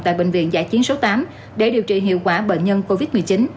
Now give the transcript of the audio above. tại bệnh viện giã chiến số tám để điều trị hiệu quả bệnh nhân covid một mươi chín